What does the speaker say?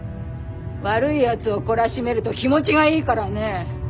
悪いやつを懲らしめると気持ちがいいからね。